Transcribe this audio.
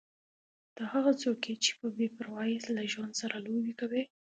ته هغه څوک یې چې په بې پروايي له ژوند سره لوبې کوې.